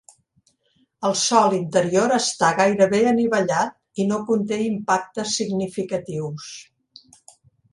El sòl interior està gairebé anivellat i no conté impactes significatius.